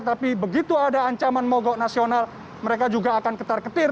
tapi begitu ada ancaman mogok nasional mereka juga akan ketar ketir